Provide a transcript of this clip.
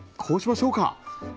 こうしましょうか。